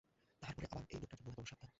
তাহার পরে আবার এই নোটটুকুর জন্য এত সাবধান!